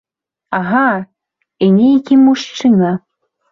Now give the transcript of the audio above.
Ага, і нейкі мужчына.